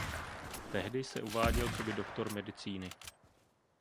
Tehdy se uváděl coby doktor medicíny.